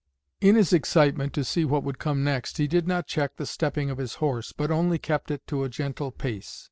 In his excitement to see what would come next, he did not check the stepping of his horse, but only kept it to a gentle pace.